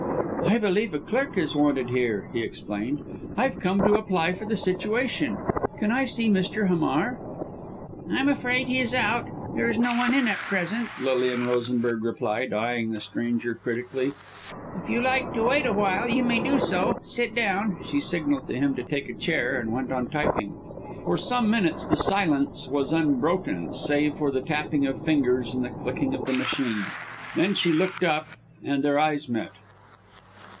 "I believe a clerk is wanted here," he explained. "I've come to apply for the situation. Can I see Mr. Hamar?" "I'm afraid he's out. There's no one in at present," Lilian Rosenberg replied, eyeing the stranger critically "If you like to wait awhile, you may do so. Sit down." She signalled to him to take a chair and went on typing. For some minutes the silence was unbroken, save for the tapping of fingers and the clicking of the machine. Then she looked up, and their eyes met.